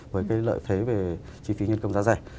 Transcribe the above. với cái lợi thế về chi phí nhân công giá rẻ